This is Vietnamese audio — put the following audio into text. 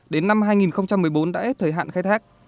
đến năm hai nghìn một mươi bốn đã hết thời hạn khai thác